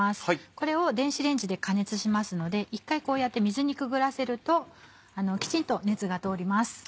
これを電子レンジで加熱しますので１回こうやって水にくぐらせるときちんと熱が通ります。